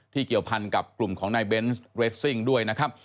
เกี่ยวพันกับกลุ่มของนายเบนส์เรสซิ่งด้วยนะครับ